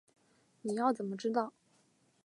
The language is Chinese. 你要怎么知道